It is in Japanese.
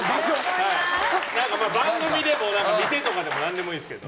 番組でも店とかでも何でもいいですけど。